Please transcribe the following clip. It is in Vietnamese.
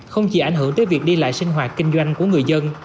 không chỉ ảnh hưởng tới việc đi lại sinh hoạt kinh doanh của người dân